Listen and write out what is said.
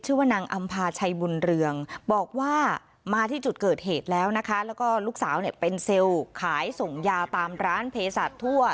ชื่อว่านางอำพาชัยบุญเรืองบอกว่ามาที่จุดเกิดเหตุแล้ว